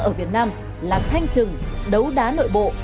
ở việt nam làm thanh trừng đấu đá nội bộ